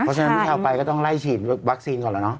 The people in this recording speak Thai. เพราะฉะนั้นที่เอาไปก็ต้องไล่ฉีดวัคซีนก่อนแล้วเนาะ